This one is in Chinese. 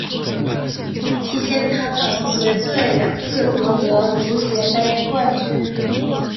期间她曾随队两次夺得足协杯冠军。